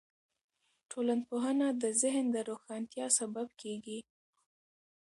ټولنپوهنه د ذهن د روښانتیا سبب کیږي.